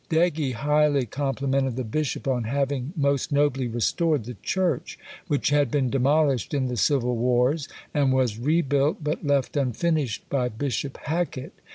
Degge highly complimented the bishop on having most nobly restored the church, which had been demolished in the civil wars, and was rebuilt but left unfinished by Bishop Hacket.